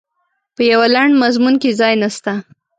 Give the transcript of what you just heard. په یوه لنډ مضمون کې ځای نسته.